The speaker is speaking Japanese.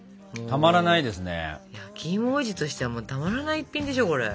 焼きいも王子としてはたまらない一品でしょこれ。